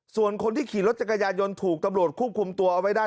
ส่วนคนที่ขี่รถจักรยายนถูกตำรวจควบคุมตัวเอาไว้ได้